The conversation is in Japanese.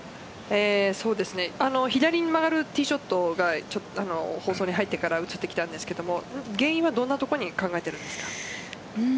左に曲がるティーショットが放送に入ってから映ってきたんですけど原因はどんなところに考えていますか？